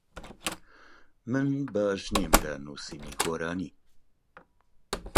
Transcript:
من باش نیم لە نووسینی گۆرانی.